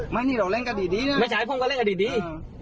ไม่ใช้ผมก็เล่นกันดี